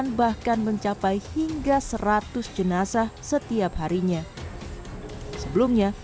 memang jika ada penempatan yang sama ter rejection kapan ini juga adawin ke iker karena juga ons objectives